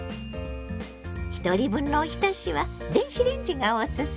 ひとり分のおひたしは電子レンジがオススメよ。